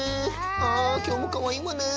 あきょうもかわいいわね。